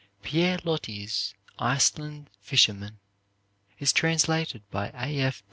Pierre Loti's "Iceland Fisherman" is translated by A. F.